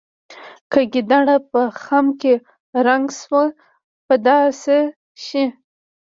که ګیدړ په خم کې رنګ شو په دا څه شي.